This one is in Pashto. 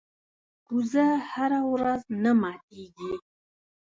کوزه هره ورځ نه ماتېږي.